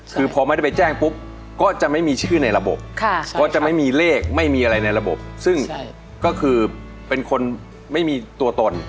คือพอไม่ได้ไปแจ้งปุ๊บก็จะไม่มีชื่อในระบบก็จะไม่มีเลขไม่มีอะไรในระบบซึ่งก็คือเป็นคนไม่มีตัวตน